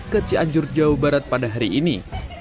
ke cianjur jawa barat pada hari ini